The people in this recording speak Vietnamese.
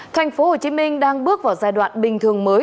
thành phố hồ chí minh đang bước vào giai đoạn bình thường mới